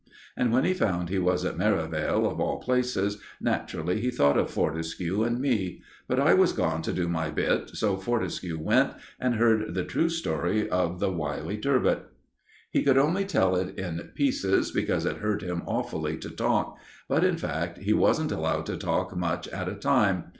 And when he found he was at Merivale, of all places, naturally he thought of Fortescue and me. But I was gone to do my bit, so Fortescue went, and heard the true story of the wily "Turbot." He could only tell it in pieces, because it hurt him awfully to talk, and, in fact, he wasn't allowed to talk much at a time.